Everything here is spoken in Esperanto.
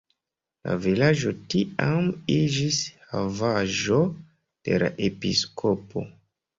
La vilaĝo tiam iĝis havaĵo de la episkopo.